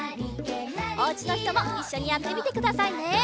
おうちのひともいっしょにやってみてくださいね！